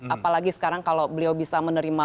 apalagi sekarang kalau beliau bisa menerima